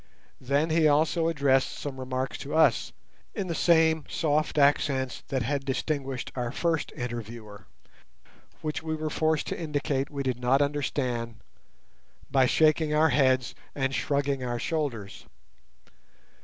Then he also addressed some remarks to us in the same soft accents that had distinguished our first interviewer, which we were forced to indicate we did not understand by shaking our heads and shrugging our shoulders.